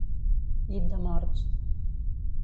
Llit de morts.